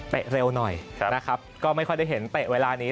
เร็วหน่อยนะครับก็ไม่ค่อยได้เห็นเตะเวลานี้